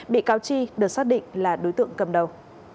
bị cáo chi được xác định là đối tượng cầm đầu